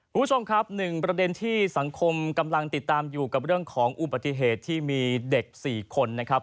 คุณผู้ชมครับหนึ่งประเด็นที่สังคมกำลังติดตามอยู่กับเรื่องของอุบัติเหตุที่มีเด็ก๔คนนะครับ